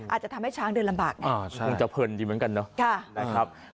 อาจจะทำให้ช้างเดินลำบากอ่าใช่มันจะเพลินดีเหมือนกันเนอะค่ะได้ครับ